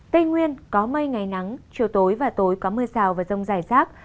tây nguyên có mây ngày nắng chiều tối và tối có mưa rào và rông rải rác